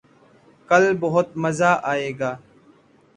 کل بہت مزہ آئے گا